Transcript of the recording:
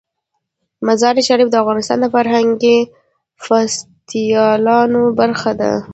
مزارشریف د افغانستان د فرهنګي فستیوالونو برخه ده.